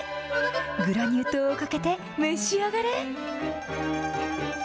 グラニュー糖をかけて召し上がれ。